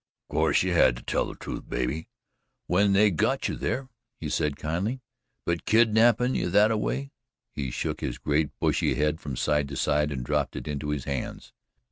"Course you had to tell the truth, baby, when they got you there," he said kindly; "but kidnappin' you that a way " He shook his great bushy head from side to side and dropped it into his hands.